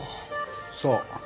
そう。